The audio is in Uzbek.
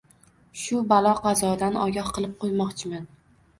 shu balo-qazodan ogoh qilib qo‘ymoqchiman